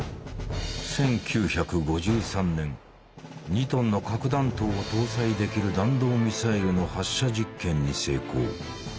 ２トンの核弾頭を搭載できる弾道ミサイルの発射実験に成功。